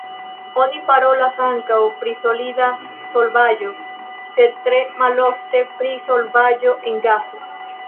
Oni parolas ankaŭ pri solida solvaĵo, sed tre malofte pri solvaĵo en gaso.